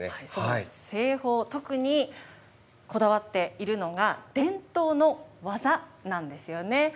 その製法、特にこだわっているのが、伝統の技なんですよね。